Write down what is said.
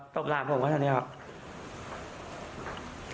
บหลานผมก็เท่านี้ครับ